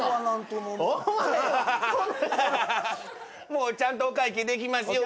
もうちゃんとお会計できますよ。